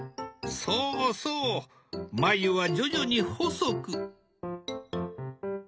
そうそう眉は徐々に細く。